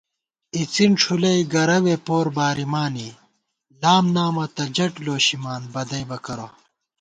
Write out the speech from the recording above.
اِڅِن ݭُلَئ گَرَوے پور بارِمانی ، لام نامہ تہ جٹ لوشِمان ، بدَئیبہ کرہ